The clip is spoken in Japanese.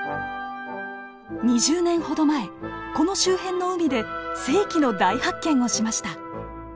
２０年ほど前この周辺の海で世紀の大発見をしました。